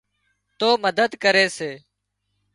تو مدد ڪري سي